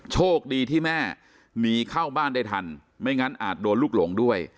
โชคดีที่แม่หนีเข้าบ้านได้ทันไม่งั้นอาจโดนลูกหลงด้วย